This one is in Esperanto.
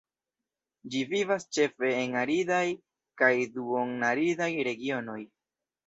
Ĝi vivas ĉefe en aridaj kaj duon-aridaj regionoj.